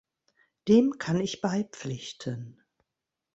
Dem kann ich beipflichten.